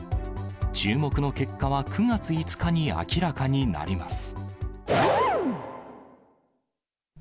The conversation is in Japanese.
注目の結果は９月５日に明らかになります。